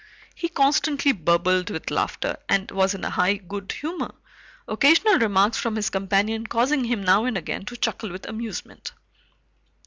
He constantly burbled with laughter and was in a high good humor, occasional remarks from his companion causing him now and again to chuckle with amusement.